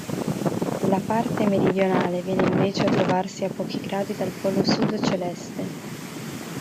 La parte meridionale viene invece a trovarsi a pochi gradi dal polo sud celeste.